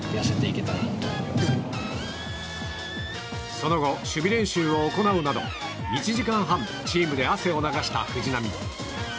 その後、守備練習を行うなど１時間半チームで汗を流した藤浪。